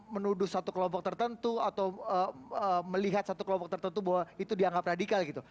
menuduh satu kelompok tertentu atau melihat satu kelompok tertentu bahwa itu dianggap radikal gitu